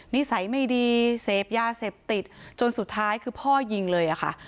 นิสัยไม่ดีเสพยาเสพติดจนสุดท้ายคือพ่อยิงเลยอะค่ะ